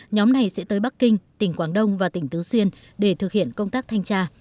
nhóm này sẽ tới bắc kinh tỉnh quảng đông và tỉnh tứ xuyên để thực hiện công tác thanh tra